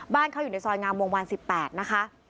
บ้านเขาอยู่ในซอยงามวงวาน๑๘นะคะ